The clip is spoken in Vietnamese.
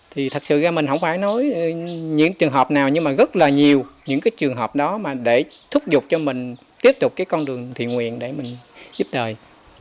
thì thật sự mình không phải nói những trường hợp nào nhưng mà rất là nhiều những cái trường hợp đó mà để thúc giục cho mình tiếp tục cái con đường thiện nguyện để mình giúp đời